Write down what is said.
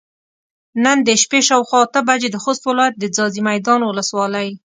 نن د شپې شاوخوا اته بجې د خوست ولايت د ځاځي ميدان ولسوالۍ